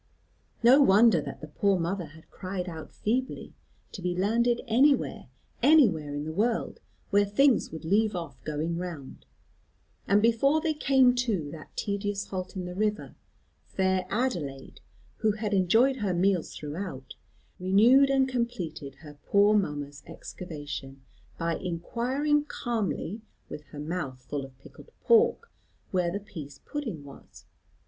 No wonder that the poor mother had cried out feebly, to be landed anywhere, anywhere in the world, where things would leave off going round. And before they came to that tedious halt in the river, fair Adelaide, who had enjoyed her meals throughout, renewed and completed her poor mamma's excavation, by inquiring calmly with her mouth full of pickled pork, where the peas pudding was.